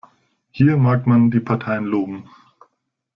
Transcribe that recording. Hier mag man die Parteien loben.